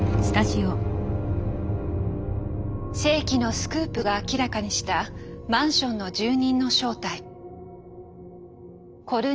世紀のスクープが明らかにしたマンションの住人の正体。